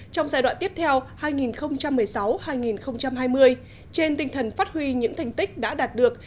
trong giai đoạn tiếp theo hai nghìn một mươi sáu hai nghìn hai mươi trên tinh thần phát huy những thành tích đã đạt được